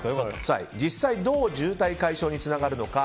実際に、どう渋滞解消につながるのか。